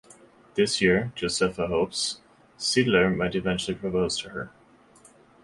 This year, Josepha hopes, Siedler might eventually propose to her.